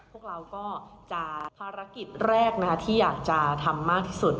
พวกเราก็จะภารกิจแรกที่อยากจะทำมากที่สุด